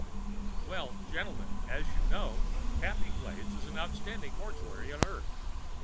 _" "Well, gentlemen, as you know, Happy Glades is the outstanding mortuary on Earth.